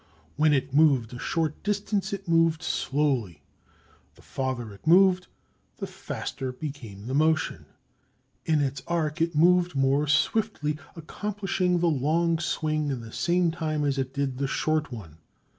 When it moved a short distance, it moved slowly; the farther it moved, the faster became the motion; in its arc it moved more swiftly, accomplishing the long swing in the same time as it did the short one.